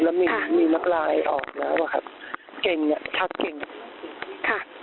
แล้วมีมีนักลายออกแล้วอ่ะครับเก่งเนี่ยชักเก่งค่ะ